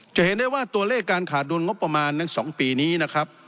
จะเห็นได้ว่าตัวเลขการขาดดุลงบประมาณใน๒ปีนี้นะครับ